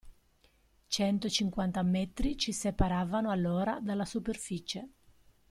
Centocinquanta metri ci separavano allora dalla superficie.